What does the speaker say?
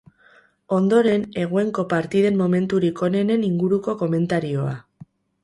Ondoren, eguenko partiden momenturik onenen inguruko komentarioa.